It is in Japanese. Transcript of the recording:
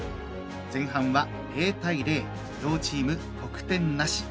前半は０対０、両チーム得点なし。